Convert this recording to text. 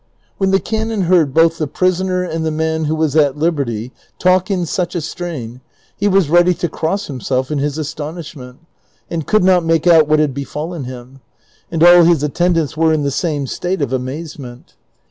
When the canon heard both the prisoner and the man who was at liberty talk in such a strain he was ready to cross him self in his astonishment, and could not make out what had befallen him ; and all his attendants were in the same state of amazement.